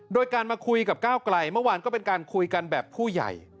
โดยการมาคุยกับก้าวไกลเมื่อวานก็เป็นการคุยกันแบบผู้ใหญ่